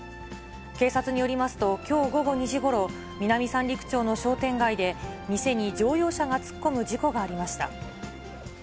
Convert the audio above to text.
警察によりますと、きょう午後２時ごろ、南三陸町の商店街で、店に乗用車が突っ込む事故がありました。